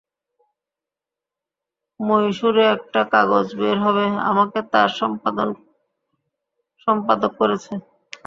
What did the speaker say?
মৈশুরে একটা কাগজ বের হবে, আমাকে তার সম্পাদক করেছে।